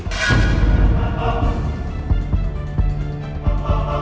gak terlalu penting juga kan